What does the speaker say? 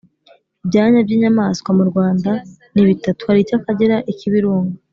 ibyanya by’inyamaswa mu rwanda ni bitatu. hari icy’akagera, ik’ibirunga